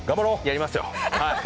やりますよはい。